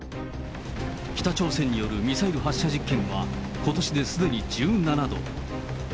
北朝鮮によるミサイル発射実験は、ことしですでに１７度。